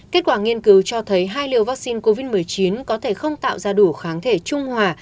kết quả nghiên cứu cho thấy hai liều vaccine covid một mươi chín có thể không tạo ra đủ kháng thể trung hòa